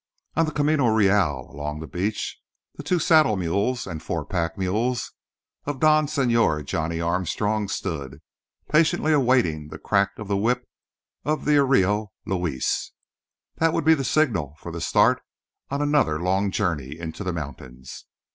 On the camino real along the beach the two saddle mules and the four pack mules of Don Señor Johnny Armstrong stood, patiently awaiting the crack of the whip of the arriero, Luis. That would be the signal for the start on another long journey into the mountains.